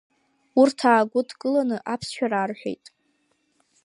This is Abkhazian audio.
Урҭ аагәыдкыланы аԥсшәа рарҳәеит.